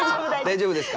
大丈夫ですか？